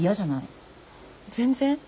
全然。